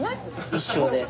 一緒です。